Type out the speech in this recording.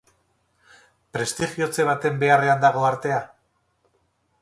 Prestigiotze baten beharrean dago artea?